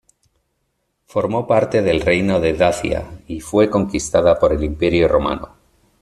Formó parte del reino de Dacia y fue conquistada por el Imperio romano.